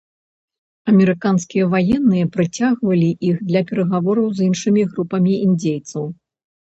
Амерыканскія ваенныя прыцягвалі іх для перагавораў з іншымі групамі індзейцаў.